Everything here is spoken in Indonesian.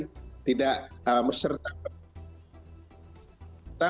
tapi tidak meserta